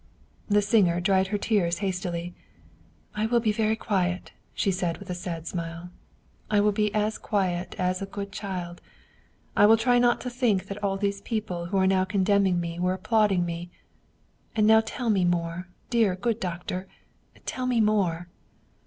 The singer dried her tears hastily. " I will be very quiet," she said with a sad smile. " I will be as quiet as a good child. I will try to think that all these people who are now condemning me were applauding me. And now tell me more, dear good doctor, tell me more